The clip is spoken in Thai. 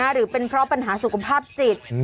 หรือเป็นเพราะปัญหาสุขภาพจิต